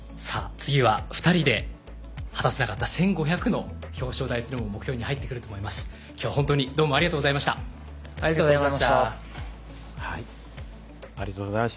次は２人で果たせなかった１５００の表彰台というのも目標に入ってくると思います。